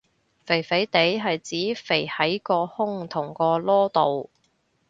肥肥哋係指肥喺個胸同個籮度